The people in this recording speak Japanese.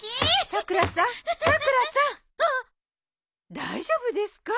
大丈夫ですか？